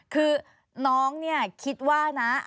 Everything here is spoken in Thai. คือน้องเนี่ยคิดว่านะ